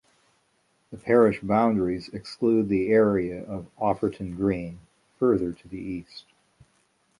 The parish boundaries exclude the area of Offerton Green, further to the east.